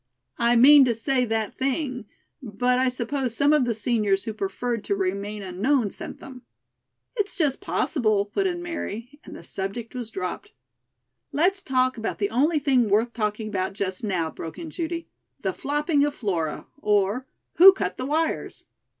"I mean to say that thing, but I suppose some of the seniors who preferred to remain unknown sent them." "It's just possible," put in Mary, and the subject was dropped. "Let's talk about the only thing worth talking about just now," broke in Judy. "The Flopping of Flora; or, Who Cut the Wires?"